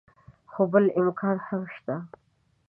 خو بل امکان هم شته.